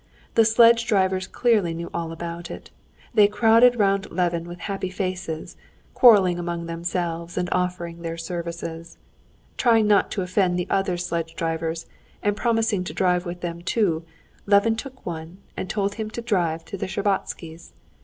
The sledge drivers clearly knew all about it. They crowded round Levin with happy faces, quarreling among themselves, and offering their services. Trying not to offend the other sledge drivers, and promising to drive with them too, Levin took one and told him to drive to the Shtcherbatskys'.